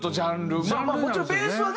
まあまあもちろんベースはね